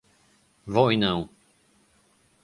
wojnę